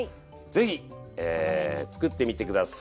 ぜひ作ってみて下さい。